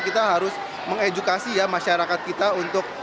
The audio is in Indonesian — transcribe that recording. kita harus mengedukasi ya masyarakat kita untuk